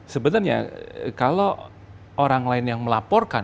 sebenarnya kalau orang lain yang melaporkan